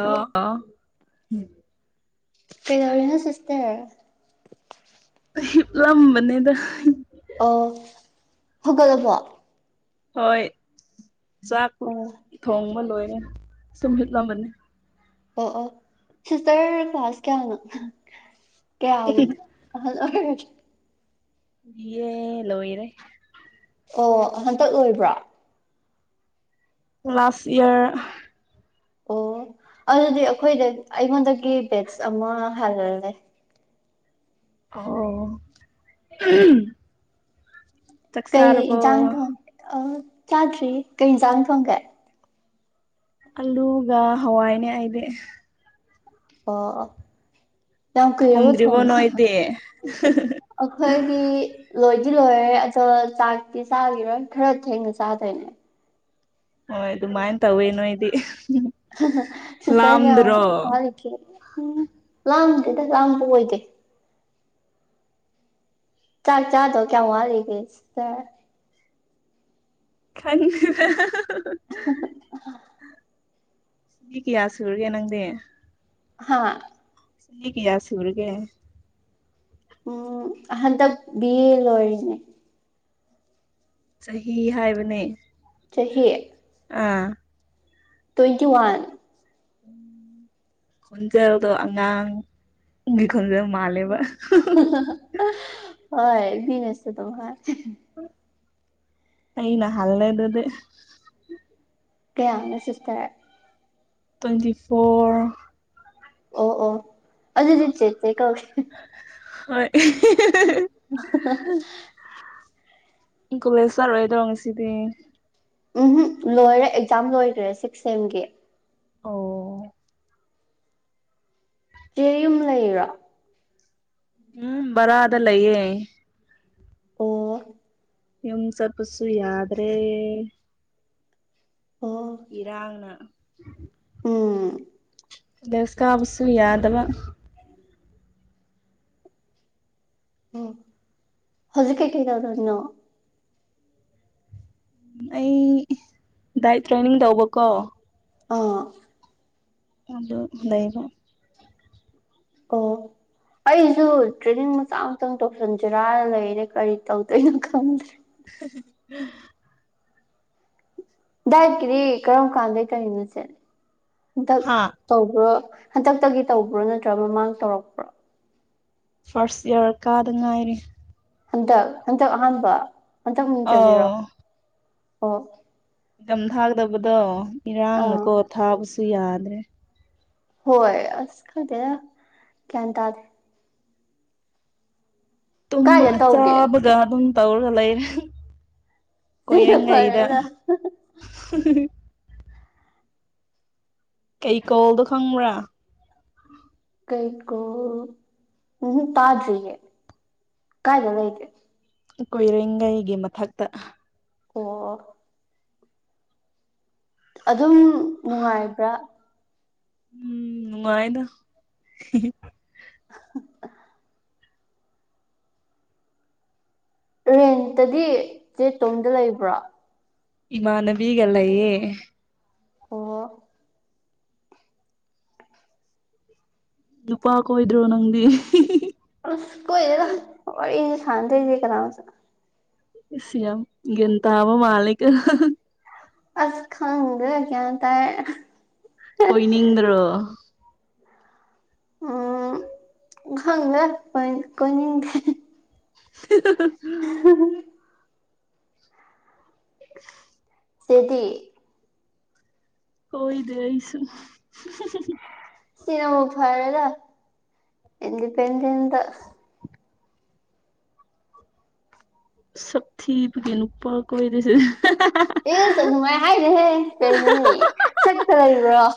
ꯑ ꯑ ꯄꯩꯗꯧꯔꯤꯅ ꯁꯁꯇ ꯂꯝ ꯃꯅꯦꯗ ꯑꯣ ꯍꯧꯒꯜꯕꯣ ꯍꯣꯏ ꯆꯥꯛ ꯑꯣ ꯊꯣꯡꯕ ꯂꯣꯏ ꯁꯃꯤꯍꯤꯠ ꯂꯕꯅꯤ ꯑꯣ ꯑꯣ ꯁꯤꯁꯇꯔ ꯀ꯭ꯂꯥꯁ ꯀꯌꯥꯅꯣ ꯀꯂ ꯌꯦꯦ ꯂꯣꯣꯏꯔꯦ ꯑꯣ ꯍꯟꯇꯛ ꯂꯣꯏꯕ꯭ꯔꯣ ꯂꯥꯁ ꯏꯌꯥꯔ ꯑꯣ ꯑꯗꯨꯗꯤ ꯑꯩꯈꯣꯏꯗ ꯑꯩꯉꯣꯟꯗꯒꯤ ꯕꯦꯠꯁ ꯑꯃ ꯍꯜꯍꯜꯂꯦ ꯑꯣ ꯆꯥꯛ ꯀꯩ ꯌꯦꯟꯁꯥꯡ ꯆꯥꯔꯕꯣ ꯊꯣꯡ ꯑ ꯆꯥꯗ꯭ꯔꯤ ꯀꯩ ꯌꯦꯟꯁꯥꯡ ꯊꯣꯡꯒꯦ ꯑꯜꯂꯨꯒ ꯍꯋꯥꯏꯅꯦ ꯑꯩꯗꯤ ꯑ ꯑ ꯌꯥꯝ ꯀꯨꯏꯔꯔꯕ ꯊꯣꯡꯗ꯭ꯔꯤꯕꯣ ꯊꯣꯡꯕ ꯅꯣꯏꯗꯤ ꯑꯩꯈꯣꯏꯒꯤ ꯂꯣꯏꯗꯤ ꯂꯣꯏꯔꯦ ꯑꯗꯣ ꯆꯥꯛꯇꯤ ꯆꯥꯈꯤꯔꯣꯏ ꯈꯔ ꯊꯦꯡꯅ ꯆꯥꯗꯣꯏꯅꯦ ꯍ ꯑꯗꯨ ꯑꯗꯨ ꯃꯥꯥꯏ ꯇꯧꯦꯅꯣ ꯏꯗꯤ ꯁꯨꯁꯔꯤ ꯌꯥ ꯋꯥꯖꯤ ꯎꯝ ꯂꯥꯡꯗꯦꯗ ꯂꯥꯡꯕ ꯑꯣꯏꯗꯦ ꯆꯥ ꯆꯥꯗꯧ ꯀꯌꯥꯃꯨ ꯋꯥꯔꯤꯒ ꯇ ꯈꯪꯗ [unintelligible] ꯁꯤ ꯀꯌꯥꯁꯨ ꯑꯣꯏꯔꯒꯦ ꯅꯪꯗꯦ ꯍꯥꯥ ꯆꯍꯤꯍꯤ ꯀ ꯌꯥ ꯁꯔꯒꯦ ꯎꯝ ꯑꯍꯥꯟꯗ ꯑ ꯂꯔꯤꯅꯦ ꯆꯍꯤ ꯍꯥꯏꯕꯅꯦ ꯆꯍꯤꯌꯦ ꯑꯥ ꯇ꯭ꯋꯦꯟꯇꯤ ꯋꯥꯟ ꯈꯣꯟꯖꯦꯜꯗꯣ ꯑꯉꯥꯡꯒꯤ ꯈꯣꯟꯖꯦꯜ ꯃꯥꯜꯂꯦꯕ ꯍꯣꯏ ꯃꯁꯇ ꯇꯍꯔ ꯑꯩ ꯅ ꯍꯜꯦ ꯑꯗꯨꯗꯤꯦ ꯀꯌꯥꯅꯁꯁꯇꯔ ꯇ꯭ꯋꯦꯟꯇꯤ ꯐꯣꯔ ꯑꯣ ꯑꯣ ꯑꯗꯨꯗꯤꯠ ꯆꯦ ꯆꯦ ꯀꯧ ꯍꯣꯏ [unintelligible] ꯏ ꯀꯂꯦꯁꯔ ꯑꯣꯏꯗ ꯉꯁꯤꯗꯤ ꯎꯝꯝ ꯂꯣꯏꯔꯦ ꯑꯦꯛꯖꯥꯝ ꯂꯣꯏꯈ꯭ꯔꯦ ꯁꯤꯛꯁ ꯁꯦꯝꯒꯤ ꯑꯣ ꯆ ꯌꯨꯝ ꯂꯩꯔꯣ ꯎꯝ ꯔꯑꯗꯂꯌꯦꯦ ꯑꯣ ꯏꯝ ꯁꯄꯁꯨ ꯌꯥꯗ꯭ꯔꯦ ꯑꯣ ꯏꯔꯥꯡꯅ ꯎꯝ ꯗꯦꯁꯀꯥꯕꯨꯁꯨ ꯌꯥꯗꯕ ꯎꯝ ꯎ ꯍꯧꯖꯤꯛ ꯀꯩꯀꯩ ꯇꯧꯗꯧꯔꯤꯅꯣ ꯎ ꯑꯩ ꯗꯥꯏꯠ ꯇ꯭ꯔꯦꯅꯤꯡ ꯇꯧꯕꯀꯣ ꯑꯥ ꯑꯗꯨꯗ ꯂꯩꯕ ꯑꯣ ꯑꯩꯁꯨ ꯇ꯭ꯔꯦꯅꯤꯡ ꯃꯆꯥ ꯃꯇꯪ ꯇꯧꯁꯟꯖꯔꯥꯅ ꯂꯩꯔꯦ ꯀꯔꯤ ꯇꯧꯗꯣꯏꯅꯣ ꯈꯪꯗꯦ [unintelligible] ꯗꯥꯏꯠꯀꯤꯗꯤ ꯀꯔꯝ ꯀꯥꯟꯗꯩ ꯀꯔꯤꯅꯣꯁꯦ ꯍꯟꯗꯛ ꯍꯥꯥ ꯇꯧꯕ꯭ꯔꯣ ꯍꯟꯗꯛꯇꯒꯤ ꯇꯧꯕ꯭ꯔꯣ ꯅꯠꯇ꯭ꯔꯒ ꯃꯃꯥꯡ ꯇꯧꯔꯛꯄ꯭ꯔꯣ ꯐꯔꯁ ꯏꯔ ꯀꯥ ꯑꯗꯨ ꯉꯥꯏꯔꯤ ꯍꯟꯗꯛ ꯍꯟꯗꯛ ꯑꯍꯥꯟꯕ ꯍꯟꯇꯛ ꯆꯜꯂꯤꯂꯤꯔꯣ ꯑꯧ ꯑꯣ ꯏꯆꯝ ꯊꯥꯗꯕꯗꯣ ꯑꯥ ꯏꯔꯥꯡꯅꯀꯣ ꯊꯥꯕꯁꯨ ꯌꯥꯗ꯭ꯔꯦ ꯍꯣꯏ ꯑꯁ ꯈꯔꯗꯦ ꯀ ꯇꯗ ꯀꯥꯏꯗ ꯇꯨꯝꯕꯒ ꯇꯧꯒꯦ ꯆꯥꯕꯒ ꯑꯗꯨꯝ ꯇꯧꯔꯒ ꯂꯩꯔꯦ ꯁꯤꯅ ꯀꯣꯏꯔꯒꯥꯏꯗ ꯐꯔꯦꯗ ꯀꯩꯀꯣꯜꯗꯣ ꯈꯪꯕ꯭ꯔꯥ ꯀꯩ ꯀꯣ ꯎꯝ ꯄꯥꯗꯔꯤꯦ ꯀꯥꯏꯗꯅ ꯍꯩꯗꯤ ꯀꯣꯏꯔꯦꯡꯒꯩꯒꯤ ꯃꯊꯛꯇ ꯑꯣ ꯑꯗꯨꯝ ꯅꯨꯡꯉꯥꯏꯕ꯭ꯔꯥ ꯎꯝ ꯅꯨꯡꯉꯥꯏꯗ ꯔꯦꯟꯇꯗꯤ ꯆꯦ ꯇꯣꯝꯗ ꯂꯩꯕ꯭ꯔꯥ ꯏꯃꯅꯕꯤꯤꯒꯂꯌꯦꯦ ꯑꯣ ꯗꯨꯄꯥ ꯍꯥ ꯀꯣꯏꯗꯣ ꯅꯪꯗꯤ ꯀꯣꯏꯗ ꯋꯥꯔꯤ ꯁꯥꯟꯗ ꯀꯗꯥꯁꯨ ꯁꯤꯌꯥ ꯒꯤꯟꯇꯕ ꯃꯥꯂꯤꯛ ꯑꯁ ꯈꯪꯗ ꯀꯌꯥ ꯇ ꯀꯣꯏꯅꯤꯗ꯭ꯔꯣ ꯎꯝ ꯈꯪꯗ ꯀꯅꯤꯡꯗꯦ [inaudible] [inaudible] ꯁꯤꯦꯗꯤ ꯍ ꯏꯗ ꯑꯩꯁꯨ ꯁꯤꯅꯦꯃ ꯐꯔꯗ ꯏꯟꯗꯤꯄꯦꯟꯗꯦꯦꯟꯁ ꯁꯊꯤꯕꯒꯤꯅ ꯄ ꯀ ꯑꯣꯏꯗꯁ ꯑꯦꯁ ꯑꯗꯨꯃꯥꯏ ꯍꯥꯏꯅꯦꯍꯦ ꯀꯩꯅꯣꯅꯦ ꯁꯛꯇ ꯂꯩꯕ꯭ꯔꯣ ꯍ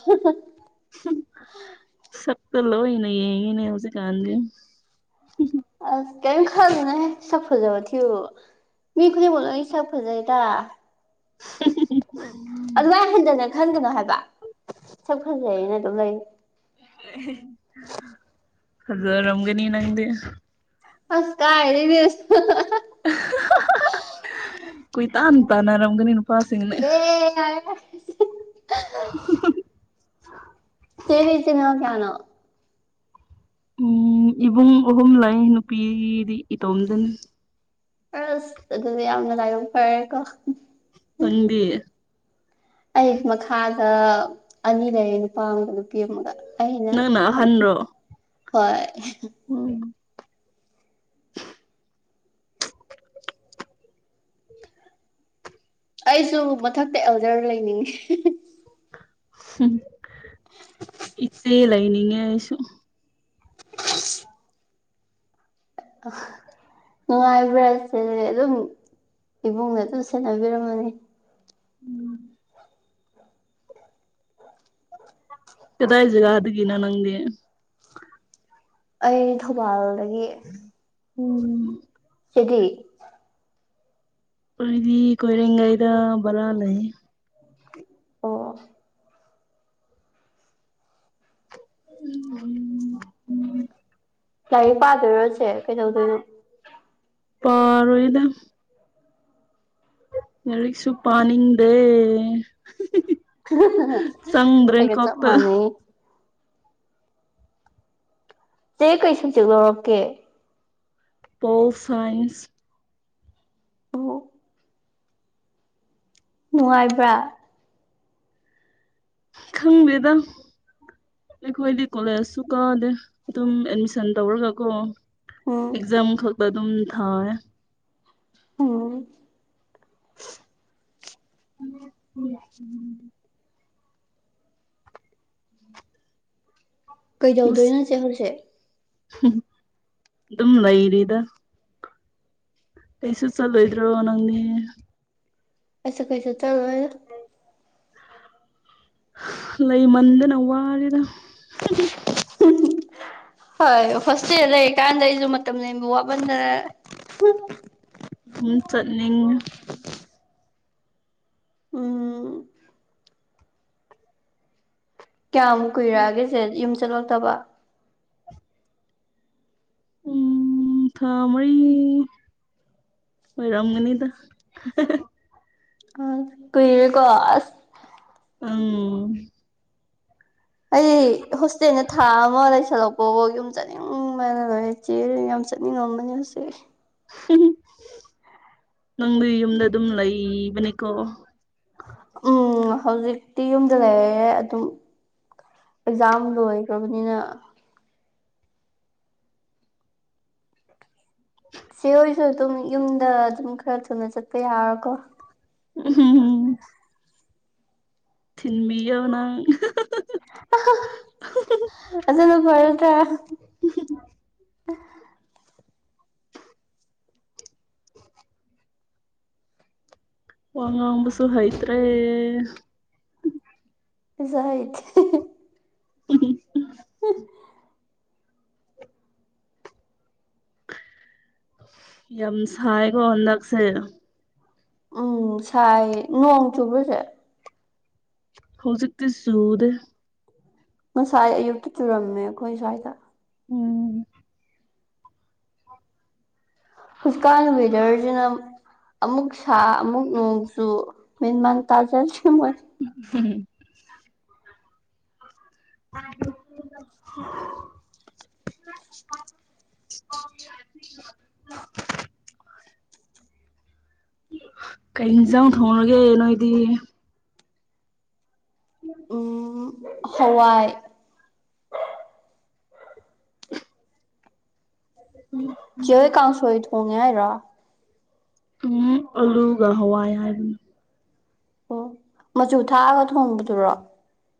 ꯆꯂꯣ ꯅꯅꯦ ꯍꯧꯦ ꯀꯥꯟꯒ ꯀꯔꯤꯝ ꯈꯜꯂꯅꯦ ꯁꯛ ꯐꯖꯕ ꯊꯨ ꯃꯤ ꯈꯨꯗꯤꯡꯃꯛ ꯂ ꯁꯛ ꯐꯖꯩ ꯇ ꯑꯗ ꯋꯥ ꯍꯗꯅ ꯈꯟꯒꯅꯣ ꯍꯥꯏꯕ ꯁꯛ ꯐꯖꯩ ꯑꯩꯅ ꯑꯗꯨꯝ ꯂꯩ ꯖꯔꯝꯒꯅꯤ ꯅꯪꯗ ꯑꯁ ꯀꯥꯏꯗꯤꯁ ꯀꯣꯏ ꯇꯅꯤ ꯇꯥꯅ ꯔꯧꯒꯅꯤ ꯑꯦ ꯌꯥꯔꯦ ꯁꯤꯔꯤꯁꯤꯦꯅ ꯀꯅꯣ ꯎꯝ ꯏꯕꯨꯡ ꯑꯍꯨꯝ ꯂꯩ ꯅꯨꯄꯤꯗꯤ ꯏꯇꯣꯝꯗꯅꯤ ꯑꯁ ꯑꯗꯨꯗꯤ ꯌꯥꯝꯅ ꯂꯥꯏꯕꯛ ꯐꯔꯦꯀꯣ ꯅꯪꯗꯤ ꯑꯩ ꯃꯈꯈꯜ ꯑꯅꯤ ꯂꯩꯌꯦ ꯅꯨꯄꯥ ꯑꯃꯒ ꯅꯨꯄꯤ ꯑꯃꯒ ꯑꯩꯅ ꯅꯪꯅ ꯑꯍꯟꯔꯣ ꯍꯣꯏ ꯎꯝ ꯑꯩꯁꯨ ꯃꯊꯛꯇ ꯑꯦꯜꯗꯔ ꯂꯩꯅꯤꯡꯉꯤ ꯏꯆꯦ ꯂꯩꯥꯏꯅꯤ ꯏꯉꯁꯨ ꯑ ꯅꯨꯡꯉꯥꯏꯕ꯭ꯔꯥꯁ ꯑꯗꯨꯝ ꯏꯕꯨꯡꯅ ꯑꯗꯨꯝ ꯁꯦꯟꯅꯕꯤꯔꯝꯃꯅꯤ ꯎꯝ ꯀꯗꯥꯏꯁꯤꯒꯗꯒꯤ ꯅ ꯅꯪꯦ ꯑꯩ ꯊꯧꯕꯥꯜꯗꯒꯤ ꯎꯝ ꯁꯤꯗꯤ ꯗꯤ ꯀꯣꯏꯔꯒꯥꯏꯗ ꯕꯂ ꯑꯂ ꯑꯣ ꯎꯝ ꯎꯝ ꯂꯥꯏꯔꯤꯛ ꯄꯥꯗꯣꯏꯔꯣꯁꯦ ꯀꯩꯗꯧꯗꯣꯏꯅꯣ ꯄꯔꯣꯏꯗ ꯌꯥꯔꯤꯛꯁꯨ ꯄꯥꯅꯤꯡꯗꯦ ꯆꯪꯗ꯭ꯔꯦ ꯍꯒ ꯆ ꯀꯣꯛꯇ ꯃꯅꯤ ꯆꯦ ꯀꯩ ꯁꯨꯝ ꯆꯦꯛ ꯂꯧꯔꯛꯀꯦ ꯄꯣꯜ ꯁꯥꯏꯟꯁ ꯑꯣ ꯅꯨꯡꯉꯥꯏꯕ꯭ꯔꯥ ꯈꯪꯃꯦꯗ ꯑꯩꯈꯣꯏꯗꯤ ꯀꯣꯂꯦꯖꯁꯨ ꯀꯥꯗꯦ ꯑꯗꯨꯝ ꯑꯦꯠꯃꯤꯁꯟ ꯇꯧꯔꯒ ꯀꯣ ꯎꯝ ꯑꯦꯛꯖꯥꯝ ꯈꯛꯇ ꯑꯗꯨꯝ ꯊꯥꯏ ꯎꯝ ꯎꯝ ꯎ ꯎꯝ ꯉꯁꯤ ꯀꯩꯗꯧꯗꯣꯏꯅꯣꯁꯦ ꯍꯧꯖꯤꯛ ꯑꯗꯨꯝ ꯂꯩꯔꯤꯗ ꯄꯦꯁ ꯆꯜꯣꯏꯗꯣ ꯅꯪꯅꯤ ꯑꯁ ꯀꯩꯁꯨ ꯊꯉꯗ ꯂꯩ ꯂꯩ ꯃꯗ ꯅꯧꯋꯥꯂꯤꯗ ꯎ ꯍꯣꯏ ꯍꯣꯁꯇꯦꯜ ꯂꯩꯔꯀꯥꯟꯗ ꯑꯩꯁꯨ ꯃꯇꯝꯕ ꯋꯥꯄꯟꯗ ꯎꯝ ꯆꯠꯅꯤꯡ ꯎꯝ ꯀꯌꯥꯝꯃꯨꯛ ꯀꯨꯏꯔꯛꯑꯒꯦꯁꯦ ꯌꯨꯝ ꯆꯠꯂꯛꯇꯕ ꯎꯝ ꯊ ꯃꯔꯤ ꯍꯣꯏꯔꯝꯅꯤꯗ ꯑ ꯀꯏꯔꯦꯀꯣ ꯑ ꯑꯩ ꯍꯣꯁꯇꯦꯜꯗ ꯊꯥ ꯑꯃ ꯂꯩꯁꯜꯂꯛꯄ ꯌꯨꯝ ꯆꯅꯤꯡꯕꯅ ꯂꯣꯏꯔ ꯆꯦ ꯆꯠꯅꯤꯡ ꯉꯝꯝꯕꯅꯦ ꯍꯧꯁꯦ ꯎ ꯅꯪꯗꯤ ꯌꯨꯝꯗ ꯑꯗꯨꯝ ꯂꯩꯕꯅꯤꯀꯣ ꯎꯝ ꯍꯧꯖꯤꯛꯇꯤ ꯌꯨꯝꯗ ꯂꯩꯔꯦ ꯑꯗꯨꯝ ꯑꯦꯛꯖꯥꯝ ꯂꯣꯏꯈ꯭ꯔꯕꯅꯤꯅ ꯁꯤ ꯍꯣꯏꯁꯨ ꯑꯗꯨꯝ ꯌꯨꯝꯗ ꯑꯗꯨꯝ ꯈꯔ ꯊꯨꯅ ꯆꯠꯄ ꯌꯥꯔꯣꯀꯣ ꯎꯝꯝ ꯎꯝ ꯊꯤꯟꯃꯤꯎꯅ ꯑꯁ ꯑꯗꯨ ꯄꯔꯇ ꯋꯥꯉ ꯋꯥꯕꯁꯨ ꯍꯣꯏꯇ꯭ꯔꯦ ꯁꯥꯏꯗ ꯎ [unintelligible] ꯌꯥꯝꯁꯥꯏꯒꯣ ꯍꯟꯗꯛꯁꯦ ꯎꯝ ꯁꯥꯏ ꯅꯣꯡ ꯆꯨꯕꯁꯦ ꯍꯧꯖꯤꯛꯇ ꯁꯨꯗ ꯉꯁꯥꯏ ꯑꯌꯨꯛꯇ ꯆꯨꯔꯝꯃꯦ ꯑꯩꯈꯣꯏ ꯁ꯭ꯋꯥꯏꯗ ꯎꯝ ꯍꯁꯀꯥꯜꯕꯤꯗꯔꯖꯅ ꯑꯃꯨꯛ ꯁꯥ ꯑꯃꯨꯛ ꯅꯣꯡꯖꯨ ꯃꯦꯟꯃꯥꯟ ꯇꯥꯖꯁ ꯃꯣꯏ ꯎꯝ [unintelligible] [unintelligible] ꯀꯩꯤꯡꯁꯥꯡ ꯊꯣꯡꯉꯒꯦ ꯅꯣꯏꯗꯤ ꯎꯝ ꯍꯋꯥꯏ [unintelligible] ꯀꯦ ꯀꯥꯡꯁꯣꯏ ꯊꯣꯡꯉꯦ ꯍꯥꯏꯔꯣ ꯎꯝ ꯑꯂꯨꯒ ꯍꯋꯥꯏ ꯍꯥꯏꯕꯅ ꯑꯣ ꯃꯆꯨ ꯊꯥꯛꯑꯒ ꯊꯣꯡꯕꯗꯨꯔꯣ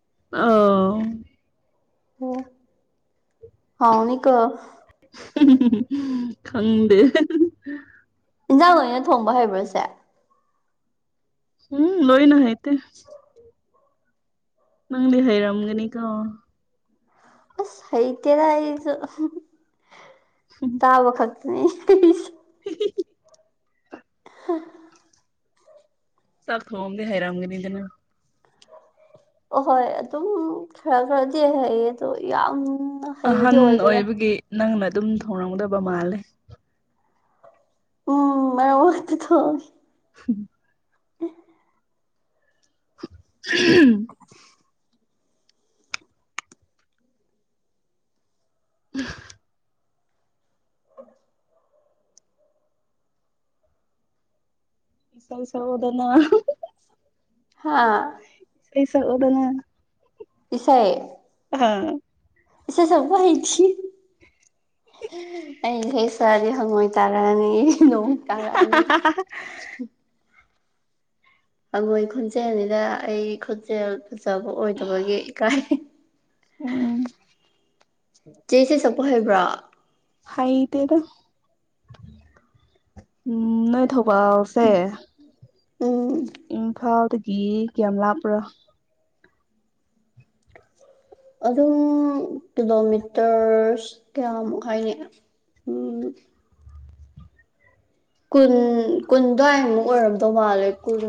ꯑ ꯑꯣ ꯍꯥꯎꯅꯤ ꯀ ꯈꯪꯗꯦ ꯏꯟꯁꯥꯡ ꯑꯣꯏꯅ ꯊꯣꯡꯕ ꯍꯩꯕ꯭ꯔꯁꯦ ꯎꯝ ꯂꯣꯣꯏꯅ ꯍꯥꯏꯥꯏꯇ ꯅꯪꯗꯤ ꯍꯩꯔꯝꯒꯅꯤ ꯀꯣ ꯑꯁ ꯍꯩꯇꯗ ꯑꯩꯁꯨ ꯇꯥꯕ ꯈꯛꯇ ꯎ [unintelligible] ꯍ ꯁ ꯊꯣꯡꯝꯗ ꯍꯥꯏꯔꯝꯒꯅꯤꯗꯅ ꯑꯍꯣꯏ ꯑꯗꯨꯝ ꯈꯔ ꯈꯔꯗꯤ ꯍꯥꯏꯌꯦ ꯑꯗꯣ ꯌꯥꯝ ꯑꯍꯟ ꯑꯣꯏꯕꯒꯤ ꯅꯪꯅ ꯑꯗꯨꯝ ꯊꯧꯔꯝꯗꯕ ꯃꯥꯜꯂꯦ ꯎꯝ ꯃꯔ ꯋꯥꯠꯇ ꯊꯣꯛ ꯎꯝ ꯎ ꯎꯝ ꯀꯜꯁ ꯍꯗꯅ ꯍꯥꯥ ꯑꯩꯁ ꯑꯣ ꯑꯗꯨꯅ ꯄꯤꯁ ꯑꯥ ꯁꯤ ꯁꯕꯨ ꯍꯩꯁꯤ ꯑꯩꯈ ꯁꯔꯗꯤ ꯍꯪꯉꯣꯏ ꯇꯥꯔꯅꯤ ꯂꯣꯡ ꯇꯥꯔꯅꯤ ꯑꯩꯈꯣꯏ ꯈꯨꯣꯟꯖꯦꯜꯅꯤꯗ ꯑꯩ ꯈꯨꯣꯟꯖꯦꯜ ꯐꯖꯕ ꯑꯣꯏꯗꯕꯒꯤ ꯏꯀꯥꯏ ꯎꯝ ꯆꯦꯁꯦ ꯑꯣꯏꯍꯩꯕ꯭ꯔꯥ ꯍꯥꯏꯗꯦꯗ ꯎꯝ ꯎꯝ ꯅꯣꯏ ꯊꯧꯕꯥꯜꯁꯦ ꯎꯝ ꯏꯝꯐꯥꯜꯗꯒꯤ ꯀꯌꯥꯝ ꯂꯥꯞꯄ꯭ꯔꯥ ꯑꯗꯨꯝ ꯀꯤꯂꯣꯃꯤꯇꯔꯁ ꯀꯌꯥꯃꯨꯛ ꯍꯥꯏꯅꯤ ꯎꯝ ꯀꯨꯟ ꯀꯨꯟ ꯑꯗꯨꯋꯥꯏꯃꯨꯛ ꯑꯣꯏꯔꯝꯗꯧ ꯃꯥꯜꯂꯦ ꯀꯨꯟ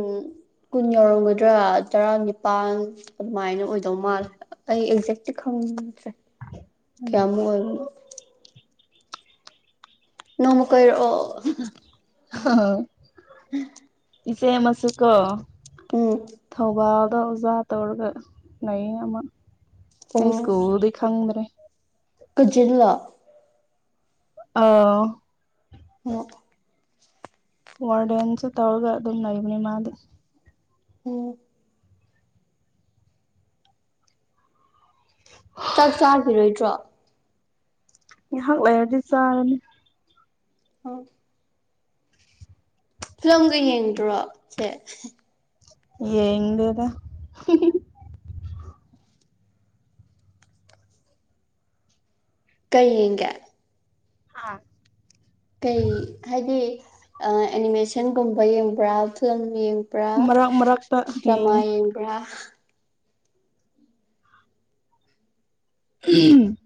ꯀꯨꯟ ꯌꯧꯔꯝꯒꯗ꯭ꯔꯥ ꯇꯔꯥ ꯅꯤꯄꯥꯜ ꯑꯗꯨꯃꯥꯏꯅ ꯑꯣꯏꯗꯧ ꯃꯥꯜꯂꯦ ꯑꯩ ꯑꯦꯛꯖꯦꯂꯤ ꯈꯪꯅꯤꯡꯁꯦ ꯀꯌꯥꯃꯨꯛ ꯑꯣꯏ ꯅꯣꯡꯃ ꯀ ꯑꯣꯏꯔ ꯍꯥꯎ ꯎꯝ ꯏꯆꯦ ꯑꯃꯁꯨ ꯀꯣ ꯊꯧꯕꯥꯥꯛ ꯑꯣꯗ ꯑꯣꯖꯥ ꯇꯧꯔꯒ ꯅ ꯑꯃꯃ ꯑꯩ ꯁ꯭ꯀꯨꯜꯗꯤ ꯈꯪꯗ꯭ꯔꯦ ꯈꯖꯂꯥ ꯑ ꯑꯣ ꯋꯥꯔꯦꯟꯟꯁ ꯇꯧꯒ ꯑꯗꯨꯅꯏ ꯃꯤꯅꯤ ꯃꯥꯗꯤ ꯎꯝ ꯆꯥꯛ ꯆꯥꯕꯤꯔꯣꯏꯗ꯭ꯔꯣ ꯉꯥꯏꯍꯥꯛ ꯂꯩꯔꯗꯤ ꯆꯥꯔꯅꯤ ꯑꯣ ꯐꯤꯂꯝꯒ ꯌꯦꯡꯗ꯭ꯔꯣ ꯁꯦ ꯌꯦꯗ ꯀꯩ ꯌꯦꯒ ꯍꯥꯥ ꯀꯩ ꯍꯥꯏꯗꯤ ꯑꯦꯅꯤꯃꯦꯁꯟꯒꯨꯝꯕ ꯌꯦꯡꯕ꯭ꯔꯥ ꯐꯤꯂꯝ ꯌꯦꯡ ꯭ꯔꯥ ꯃꯔꯛ ꯃꯔꯛꯇ ꯗ꯭ꯔꯃꯥ ꯌꯦꯡꯉꯤ ꯌꯦꯡꯕ꯭ꯔꯥ ꯎꯝ